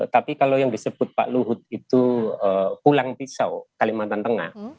tapi kalau yang disebut pak luhut itu pulang pisau kalimantan tengah